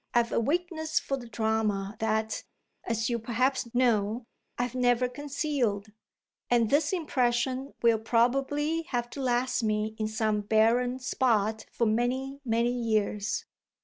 I've a weakness for the drama that, as you perhaps know, I've never concealed, and this impression will probably have to last me in some barren spot for many, many years."